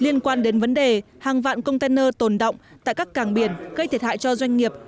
liên quan đến vấn đề hàng vạn container tồn động tại các cảng biển gây thiệt hại cho doanh nghiệp